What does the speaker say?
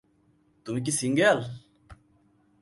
তুমি কি সিংগেল?